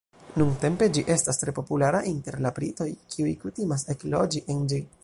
Nuntempe ĝi estas tre populara inter la britoj kiuj kutimas ekloĝi en ĝi.